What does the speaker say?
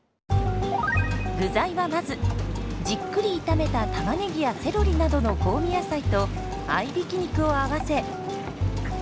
具材はまずじっくり炒めたタマネギやセロリなどの香味野菜と合いびき肉を合わせ。